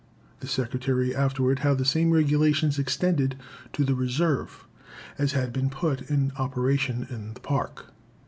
The Secretary afterward had the same regulations extended to the Reserve as had been put in operation in the Park.